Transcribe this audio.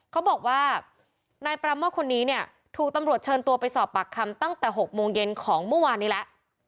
เขาบอกว่านายปราโมทคนนี้เนี่ยถูกตำรวจเชิญตัวไปสอบปากคำตั้งแต่๖โมงเย็นของเมื่อวานนี้แล้ว